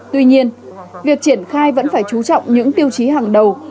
tuy nhiên việc triển khai vẫn phải chú trọng những tiêu chí hàng đầu